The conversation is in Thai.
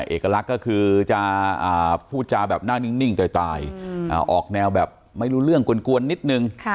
เอกลักษณ์ก็คือจะพูดจาแบบหน้านิ่งตายออกแนวแบบไม่รู้เรื่องกวนนิดนึง